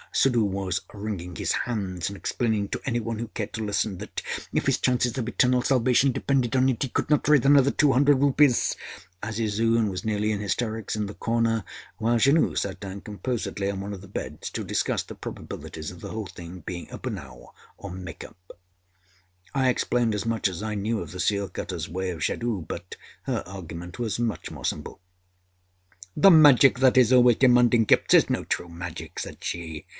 Suddhoo was wringing his hands and explaining to any one who cared to listen, that, if his chances of eternal salvation depended on it, he could not raise another two hundred rupees. Azizun was nearly in hysterics in the corner; while Janoo sat down composedly on one of the beds to discuss the probabilities of the whole thing being a bunao, or âmake up.â I explained as much as I knew of the seal cutter's way of jadoo; but her argument was much more simple: âThe magic that is always demanding gifts is no true magic,â said she.